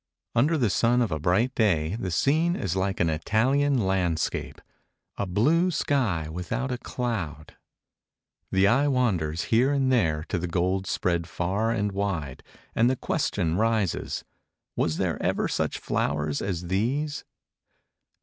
Under the sun of a bright day the scene is like an Italian landscape—a blue sky without a cloud. The eye wanders here and there to the gold spread far and wide, and the question rises, Was there ever such flowers as these?